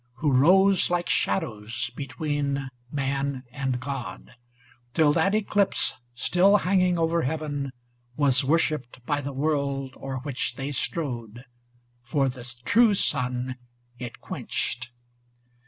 Who rose like shadows between man and God, Till that eclipse, still hanging over heaven, Was worshipped, by the world o'er which they strode, 291 For the true sun it quenched.